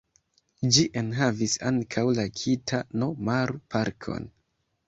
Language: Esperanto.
Ĝi enhavis ankaŭ la Kita-no-maru-parkon.